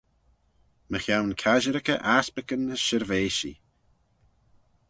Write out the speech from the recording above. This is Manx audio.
Mychione casherickey aspickyn as shirveishee.